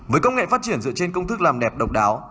với công nghệ phát triển dựa trên công thức làm đẹp độc đáo